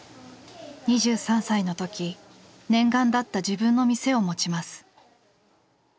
２３歳の時念願だった自分の店を持ちます。